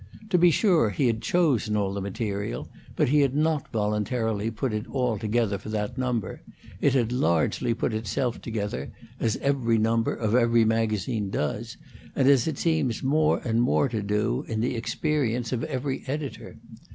To be sure, he had chosen all the material, but he had not voluntarily put it all together for that number; it had largely put itself together, as every number of every magazine does, and as it seems more and more to do, in the experience of every editor.